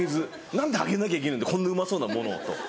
「何であげなきゃいけないんだこんなうまそうなものを」と。